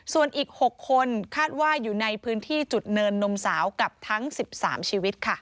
ส่วนอีก๖คนคาดว่าอยู่ในพื้นที่จุดเนินนมสาวกับทั้ง๑๓ชีวิตค่ะ